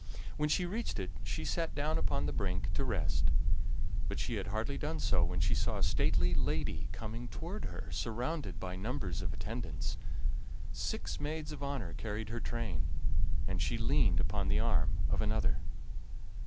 When she reached it she sat down upon the brink to rest, but she had hardly done so when she saw a stately lady coming toward her, surrounded by numbers of attendants. Six maids of honor carried her train, and she leaned upon the arm of another.